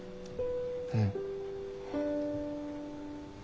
うん。